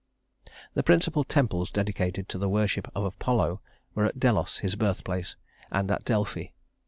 The principal temples dedicated to the worship of Apollo were at Delos, his birthplace, and at Delphi.